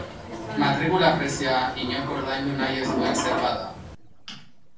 Matrikula prezioa, inork ordaindu nahi ez duen zerga da.